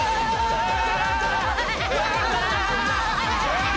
ああ！